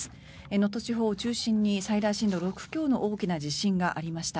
能登地方を中心に最大震度６強の大きな地震がありました。